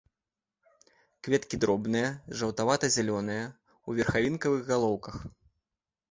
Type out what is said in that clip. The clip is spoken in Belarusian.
Кветкі дробныя, жаўтавата-зялёныя, у верхавінкавых галоўках.